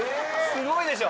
すごいでしょ。